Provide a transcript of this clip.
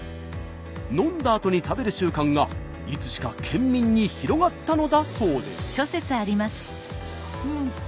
飲んだあとに食べる習慣がいつしか県民に広がったのだそうです。